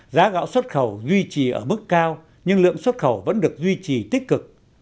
giá gạo xuất khẩu duy trì ở mức cao nhưng lượng xuất khẩu vẫn được duy trì tích cực